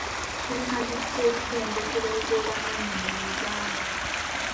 Tulina zi ssettendekero ez'obwannanyini mu Uganda.